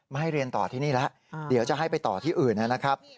ให้เรียนต่อที่นี่แล้วเดี๋ยวจะให้ไปต่อที่อื่นนะครับ